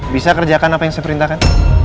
bisa kerjakan apa yang saya perintahkan